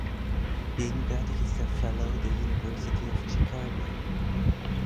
Gegenwärtig ist er Fellow der University of Chicago.